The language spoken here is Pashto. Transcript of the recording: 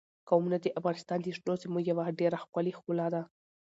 قومونه د افغانستان د شنو سیمو یوه ډېره ښکلې ښکلا ده.